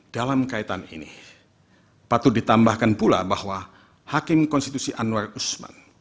dalam kaitan ini patut ditambahkan pula bahwa hakim konstitusi anwar usman